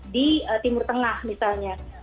di timur tengah misalnya